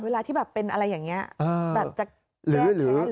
เวลาที่เป็นอะไรอย่างนี้แบบจะแรกเค้น